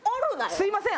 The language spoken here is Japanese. すみません。